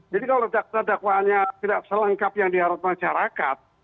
jadi kalau dakwaannya tidak selengkap yang diharutkan masyarakat